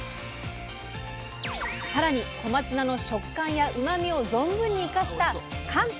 更に小松菜の食感やうまみを存分に生かした簡単！